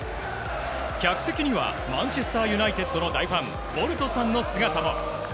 客席にはマンチェスター・ユナイテッドの大ファンボルトさんの姿も。